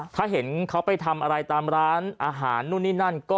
ถ้าเห็นเขาไปทำอะไรตามร้านอาหารนู่นนี่นั่น